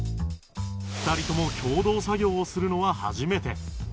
２人とも共同作業をするのは初めて